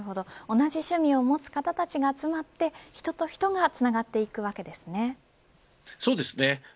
同じ趣味を持つ方たちが集まって人と人がつながっていくわけですね。